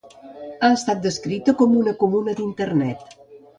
Ha estat descrita com a una comuna d'internet.